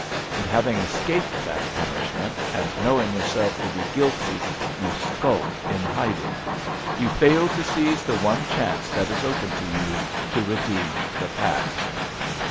And, having escaped that punishment, and knowing yourself to be guilty, you skulk in hiding! You fail to seize the one chance that is open to you to redeem the past!"